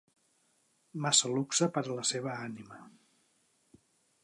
Massa luxe per a la seva ànima